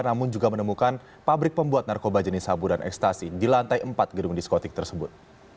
namun juga menemukan pabrik pembuat narkoba jenis sabu dan ekstasi di lantai empat gedung diskotik tersebut